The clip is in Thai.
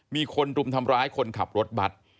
มีคนรุมทำร้ายคนขับรถบัตร